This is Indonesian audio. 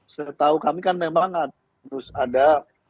setahu kami kan memang harus ada